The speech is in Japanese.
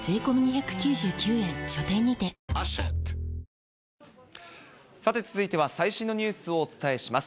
こちら、さて、続いては最新のニュースをお伝えします。